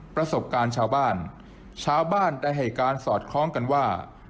ประสบการณ์ชาวบ้านชาวบ้านชาวบ้านได้ให้การสอดคล้องกันว่า